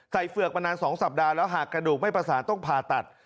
เฝือกมานาน๒สัปดาห์แล้วหากกระดูกไม่ประสานต้องผ่าตัด